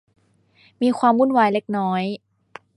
มีความวุ่นวายเล็กน้อย